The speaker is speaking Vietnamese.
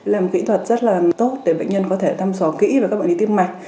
là một kỹ thuật rất là tốt để bệnh nhân có thể thăm dò kỹ về các bệnh lý tim mạch